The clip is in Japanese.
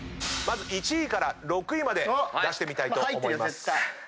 まず１位から６位まで出してみたいと思います。